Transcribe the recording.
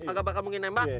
agak bakal mungkin nembak